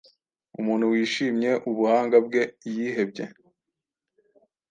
Umuntu wishimye ubuhanga bwe yihebye